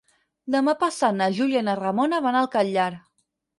Demà passat na Júlia i na Ramona van al Catllar.